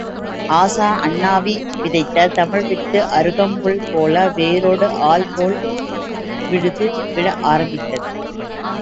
ஆசான் அண்ணாவி விதைத்த தமிழ் வித்து அருகம்புல்போல வேரோடி ஆல் போல விழுது விட ஆரம்பித்தது.